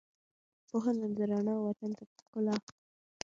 پوهنه ده رڼا، وطن ته مو ښکلا